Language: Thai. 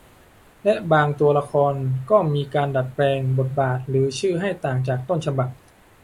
และบางตัวละครก็มีการดัดแปลงบทบาทหรือชื่อให้ต่างจากต้นฉบับ